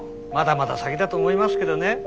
まだまだ先だと思いますけどね。